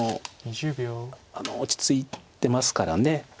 落ち着いてますから。